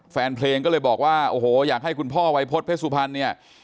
แฟนเพลงก็เลยบอกว่าอยากให้คุณพ่ออาวัยพศเพศสุพรรณ